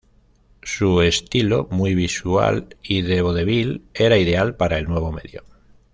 Su estilo muy visual y de vodevil era ideal para el nuevo medio.